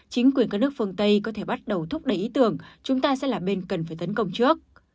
chính quyền các nước phương tây có thể bắt đầu thúc đẩy ý tưởng chúng ta sẽ là bên cần phải tấn công trước